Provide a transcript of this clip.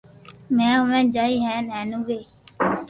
۾ آوي جائي ھي ھين اووي